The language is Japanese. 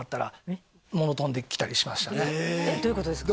どういうことですか？